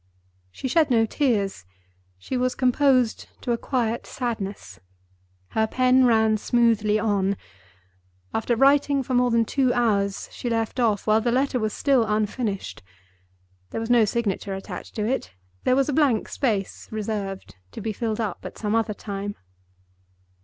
She shed no tears; she was composed to a quiet sadness. Her pen ran smoothly on. After writing for more than two hours, she left off while the letter was still unfinished. There was no signature attached to it—there was a blank space reserved, to be filled up at some other time.